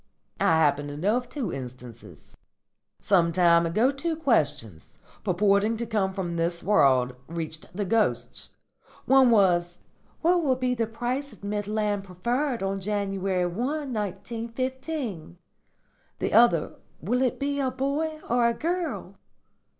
I happen to know of two instances. Some time ago two questions, purporting to come from this world, reached the ghosts. One was, 'What will be the price of Midland Preferred on January 1, 1915?' The other, 'Will it be a boy or a girl?'